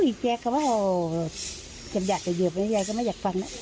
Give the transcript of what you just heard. อุ้ยแกก็ว่าอยากจะหยุดแต่ยายก็ไม่อยากฟังอ่ะ